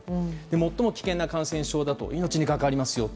最も危険な感染症だと命に関わりますよと。